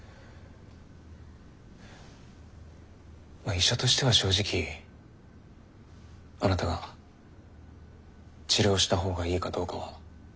医者としては正直あなたが治療したほうがいいかどうかは判断できません。